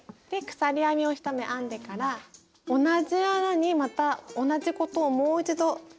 鎖編みを１目編んでから同じ穴にまた同じことをもう一度するんですが。